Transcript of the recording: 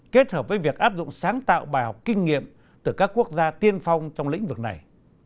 kết hợp với việc áp dụng sáng tạo bài học kinh nghiệm từ các quốc gia tiên phong trong lĩnh vực này